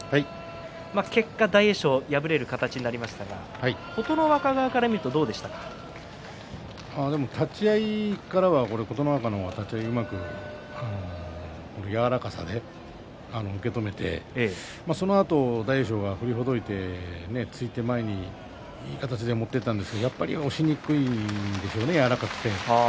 結果、大栄翔、敗れる形になりましたが立ち合いからは琴ノ若の方が立ち合いうまく柔らかさで受け止めてそのあと大栄翔が振りほどいて突いて前にいい形で持っていったんですが、やはり押しにくいんでしょうね、柔らかくて。